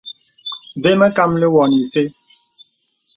Və mə kàməlì wɔ̀ nə isə.